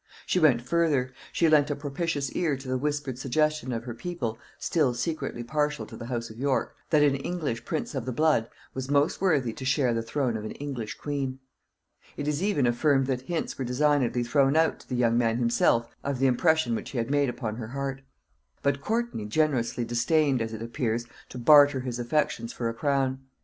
She went further; she lent a propitious ear to the whispered suggestion of her people, still secretly partial to the house of York, that an English prince of the blood was most worthy to share the throne of an English queen. It is even affirmed that hints were designedly thrown out to the young man himself of the impression which he had made upon her heart. But Courtney generously disdained, as it appears, to barter his affections for a crown.